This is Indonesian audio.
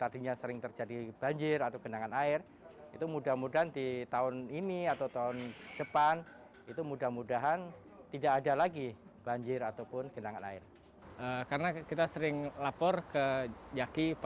jangan lupa untuk berlangganan